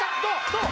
どう？